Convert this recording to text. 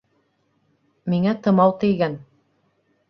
Миңә тымау тейгән